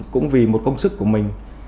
cũng vì một công sức của mình